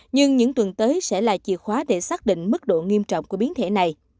nhưng những tuần tới sẽ là chìa khóa để xác định mức độ nghiêm trọng của biến thể này